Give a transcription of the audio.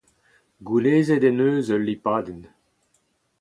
Gounezet en deus ul lipadenn.